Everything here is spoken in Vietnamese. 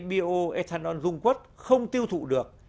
bioethanol dung quất không tiêu thụ được